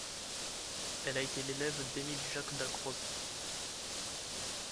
Elle a été l'élève d'Émile Jaques-Dalcroze.